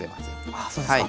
あそうですか。